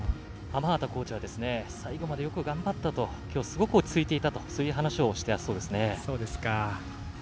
濱畑コーチは最後までよく頑張ったときょう、すごく落ち着いていたとそういう話をしたそうですね。